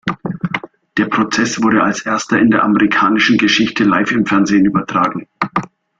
Der Prozess wurde als erster in der amerikanischen Geschichte live im Fernsehen übertragen.